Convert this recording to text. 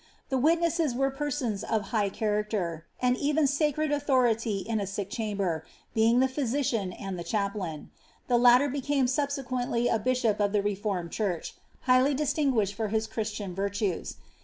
The witnesses were persons of high character, and even Mcred authority in a sick chamber, being the physician and the chap lain; the latter became subsequently a bishop of the Reformed church, highly distinguished for his Christian virtues.